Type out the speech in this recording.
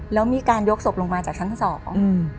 แล้วมีการยกศพลงมาจากชั้นสองอืม